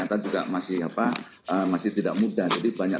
yang ada di bahasanya